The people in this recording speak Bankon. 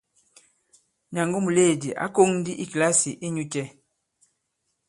Nyàngo muleèdi ǎ kōŋ ndi i kìlasì inyū cɛ ?